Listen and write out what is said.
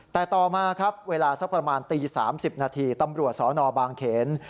แต่ต่อมาครับเวลาสักประมาณตี๓๐นาทีตำรวจสนบางเขน